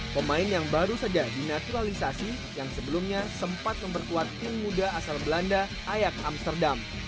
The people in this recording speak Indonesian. pemain yang baru saja dinaturalisasi yang sebelumnya sempat memperkuat tim muda asal belanda ayak amsterdam